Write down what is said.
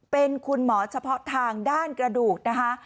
เป็นคุณหมอเฉพาะทางด้านกระดูกนะคะ